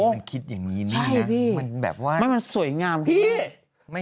มันคิดอย่างนี้